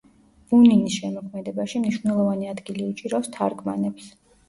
ბუნინის შემოქმედებაში მნიშვნელოვანი ადგილი უჭირავს თარგმანებს.